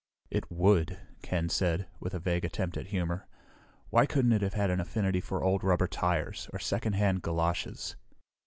"It would!" Ken said, with a vague attempt at humor. "Why couldn't it have had an affinity for old rubber tires, or secondhand galoshes?